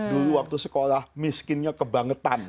dulu waktu sekolah miskinnya kebangetan